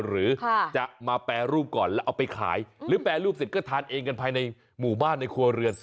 หรือจะมาแปรรูปก่อนแล้วเอาไปขายหรือแปรรูปเสร็จก็ทานเองกันภายในหมู่บ้านในครัวเรือน